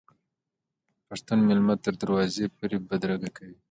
پښتون میلمه تر دروازې پورې بدرګه کوي.